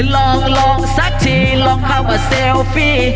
ลองลองสักทีลองเข้ามาเซลฟี่